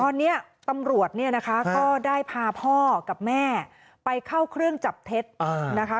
ตอนนี้ตำรวจเนี่ยนะคะก็ได้พาพ่อกับแม่ไปเข้าเครื่องจับเท็จนะคะ